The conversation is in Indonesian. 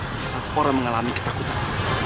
bisa orang mengalami ketakutan